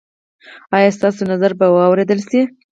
ایا ستاسو نظر به واوریدل شي؟